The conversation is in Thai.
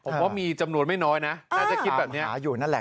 ผมว่ามีจำนวนไม่น้อยนะแต่จะคิดแบบนี้